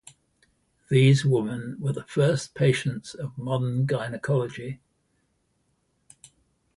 These women were the first patients of modern gynecology.